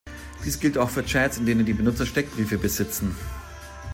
Dies gilt auch für Chats, in denen die Benutzer Steckbriefe besitzen.